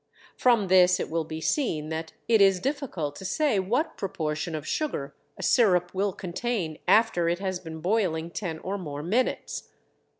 From this it will be seen that it is difficult to say what proportion of sugar a sirup will contain after it has been boiling ten or more minutes.